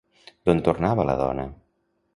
D'on tornava la dona?